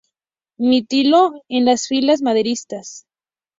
Militó en las filas maderistas.